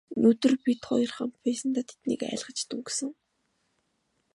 Өнөөдөр бид хоёр хамт байсандаа тэднийг айлгаж дөнгөсөн.